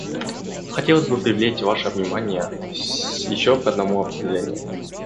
Хотелось бы привлечь ваше внимание еще к одному определению.